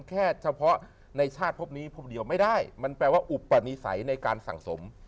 แค่เฉพาะในชาติพบนี้พบเดียวไม่ได้มันแปลว่าอุปนิสัยในการสั่งสม